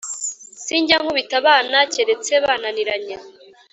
Sinjya nkubita abana keretse bananiranye